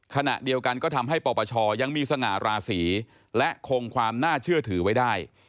ขณะเดียวกันก็ทำให้ปปชยังมีสง่าราศีและคงความน่าเชื่อถือไว้ได้